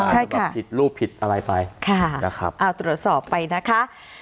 ใช่ค่ะออกตรวจสอบไปนะคะ